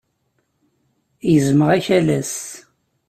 Gezmeɣ akalas.